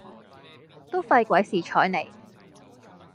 都費鬼事彩你